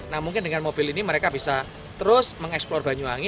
nah mungkin dengan mobil ini mereka bisa terus mengeksplor banyuwangi